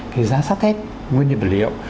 cái giá sát kết nguyên nhiệm vật liệu